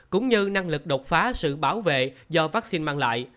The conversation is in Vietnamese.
cũng như năng lực đột phá sự bảo vệ do vaccine mang lại